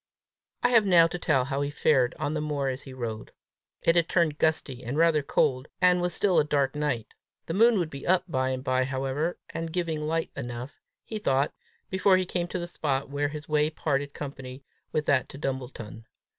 I have now to tell how he fared on the moor as he rode. It had turned gusty and rather cold, and was still a dark night. The moon would be up by and by however, and giving light enough, he thought, before he came to the spot where his way parted company with that to Dumbleton.